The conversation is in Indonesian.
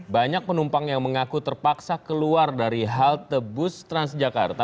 banyak penumpang yang mengaku terpaksa keluar dari halte bus transjakarta